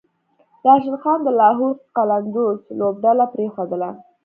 راشد خان د لاهور قلندرز لوبډله پریښودله